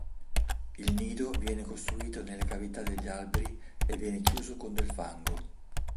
Il nido viene costruito nelle cavità degli alberi e viene chiuso con del fango.